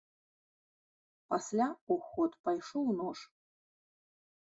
Пасля ў ход пайшоў нож.